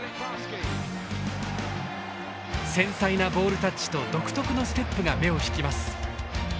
繊細なボールタッチと独特のステップが目を引きます。